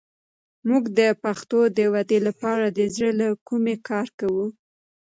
موږ د پښتو د ودې لپاره د زړه له کومې کار کوو.